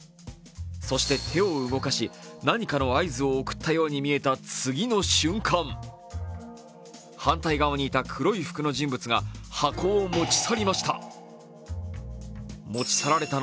そして手を動かし何かの合図を送ったように見えた次の瞬間、反対側にいた黒い服の人物が箱を持ち去りました。